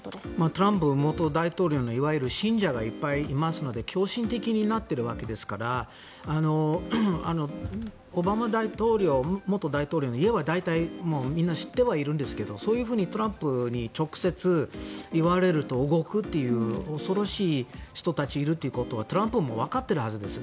トランプ元大統領のいわゆる信者がいっぱいいますので狂信的になっているわけですからオバマ元大統領の家は大体みんな知ってはいるんですがそういうふうにトランプに直接言われると動くという恐ろしい人たちがいるということはトランプもわかっているはずです。